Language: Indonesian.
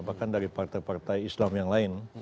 bahkan dari partai partai islam yang lain